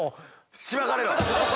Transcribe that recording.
しばかれろ！